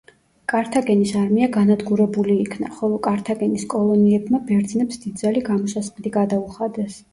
კართაგენის არმია განადგურებული იქნა, ხოლო კართაგენის კოლონიებმა ბერძნებს დიდძალი გამოსასყიდი გადაუხადეს.